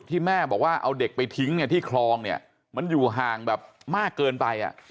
แม่บอกว่าเอาเด็กไปทิ้งเนี่ยที่คลองเนี่ยมันอยู่ห่างแบบมากเกินไปอ่ะ